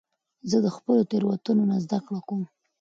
زه د خپلو تیروتنو نه زده کړه کوم.